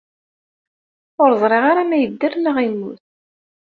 Ur ẓriɣ ara ma yedder neɣ yemmut.